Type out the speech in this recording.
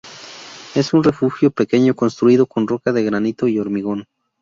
Es un refugio pequeño construido con roca de granito y hormigón.